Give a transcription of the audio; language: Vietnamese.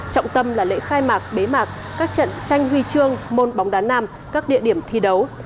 trọng tâm là lễ khai mạc bế mạc các trận tranh huy chương môn bóng đá nam các địa điểm thi đấu